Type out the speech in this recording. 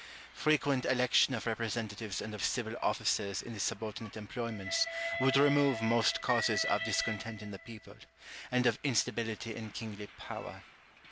Frequent election of representatives and of civil officers in the subordinate employments would remove most causes of discontent in the people, and of instability in kingly power.